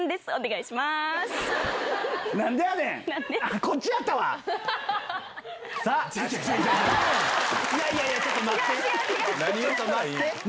いやいやちょっと待って！